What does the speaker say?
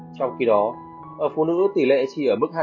trong khi đó ở phụ nữ tỷ lệ chỉ ở mức hai mươi năm